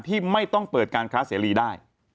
ที่ไม่ต้องเปิดการค้าเสรีได้